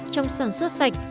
trong sản xuất sạch